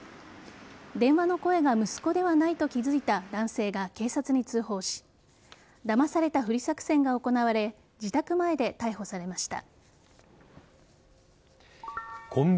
電話の声が息子ではないと気付いた男性が警察に通報しだまされたふり作戦が行われ自宅前で逮捕されました。